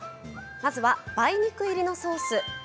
まずは梅肉入りのソース。